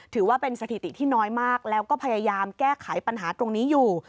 ถือว่าเป็นสถิติที่น้อยมากแล้วก็พยายามแก้ไขปัญหาตรงนี้อยู่